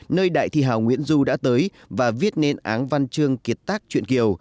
nơi đại thi hào nguyễn du đã tới và viết nên áng văn chương kiệt tác truyện kiều